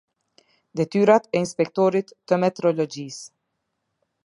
Detyrat e inspektorit të metrologjisë.